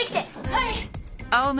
はい！